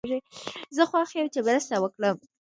زه خوښ یم چې مرسته وکړم.